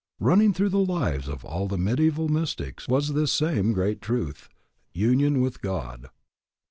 Running through the lives of all the mediaeval mystics was this same great truth, union with God.